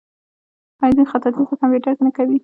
آیا دوی خطاطي په کمپیوټر کې نه کوي؟